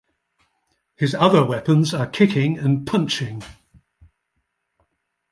His other weapons are kicking and punching.